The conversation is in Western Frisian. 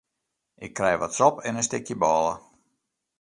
Ik krij wat sop en in stikje bôle.